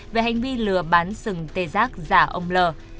về hành vi lừa bán sừng tê giác giả ông lờ